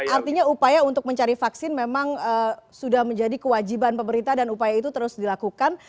artinya upaya untuk mencari vaksin memang sudah menjadi kewajiban pemerintah dan upaya itu terus dilakukan